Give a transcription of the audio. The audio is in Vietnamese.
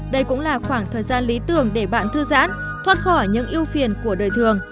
đây cũng là khoảng thời gian lý tưởng để bạn thư giãn thoát khỏi những yêu phiền của đời thường